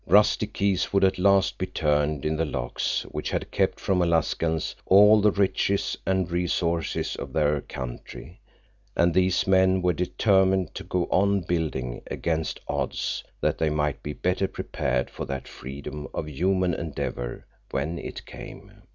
Rusty keys would at last be turned in the locks which had kept from Alaskans all the riches and resources of their country, and these men were determined to go on building against odds that they might be better prepared for that freedom of human endeavor when it came.